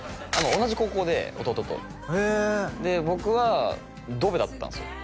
同じ高校で弟とへえで僕はドベだったんですよ